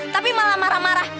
tapi malah marah marah